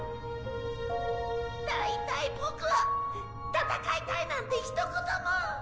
大体ボクは戦いたいなんてひと言も。